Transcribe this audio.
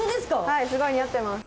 はいすごい似合ってます。